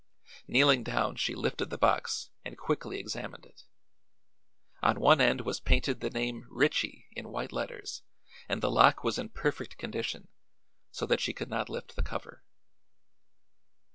Kneeling down she lifted the box and quickly examined it. On one end was painted the name "Ritchie" in white letters and the lock was in perfect condition, so that she could not lift the cover.